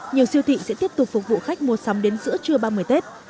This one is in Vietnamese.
nhiều siêu thị sẽ tiếp tục phục vụ khách mua sắm đến giữa trưa ba mươi tết